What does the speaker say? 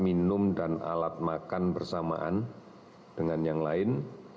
minum dan alat makan bersamaan dengan yang lain